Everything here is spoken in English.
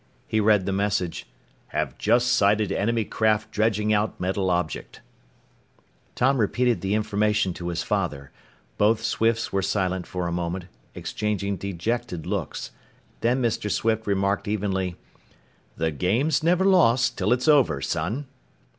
He read the message: HAVE JUST SIGHTED ENEMY CRAFT DREDGING OUT METAL OBJECT Tom repeated the information to his father. Both Swifts were silent for a moment, exchanging dejected looks. Then Mr. Swift remarked evenly: "The game's never lost till it's over, son."